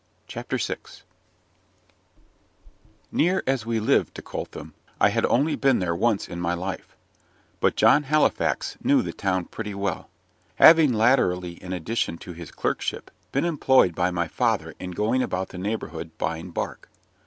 CHAPTER VI Near as we lived to Coltham, I had only been there once in my life; but John Halifax knew the town pretty well, having latterly in addition to his clerkship been employed by my father in going about the neighbourhood buying bark.